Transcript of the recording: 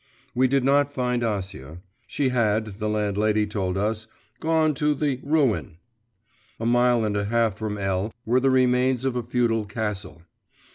We did not find Acia. She had, the landlady told us, gone to the 'ruin.' A mile and a half from L. were the remains of a feudal castle.